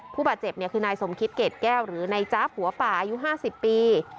ผู้บาดเจ็บคือนายสมคิดเกรดแก้วหรือนายจ๊าบหัวป่าอายุ๕๐ปี